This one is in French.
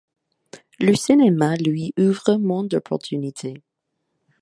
Le cinéma lui ouvre moins d'opportunités.